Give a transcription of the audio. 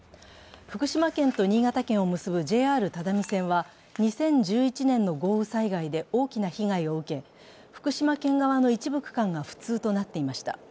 福島県と新潟県を結ぶＪＲ只見線は、２０１１年の豪雨災害で大きな被害を受け福島県側の一部区間が不通となっていました。